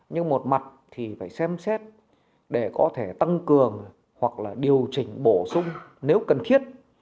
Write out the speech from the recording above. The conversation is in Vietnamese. nhưng một mặt thì phải xem xét để có thể tăng cường hoặc là điều chỉnh bổ sung nếu cần thiết